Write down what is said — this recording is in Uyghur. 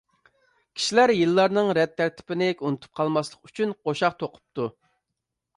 كىشىلەر يىللارنىڭ رەت تەرتىپىنى ئۇنتۇپ قالماسلىق ئۈچۈن قوشاق توقۇپتۇ.